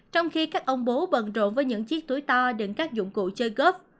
trong khi các ông bố bận rộn với những chiếc túi to đựng các dụng cụ chơi golf